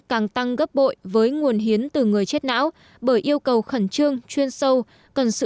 càng tăng gấp bội với nguồn hiến từ người chết não bởi yêu cầu khẩn trương chuyên sâu cần sự